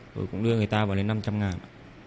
rồi cũng đưa người ta vào đến năm trăm linh ngàn ạ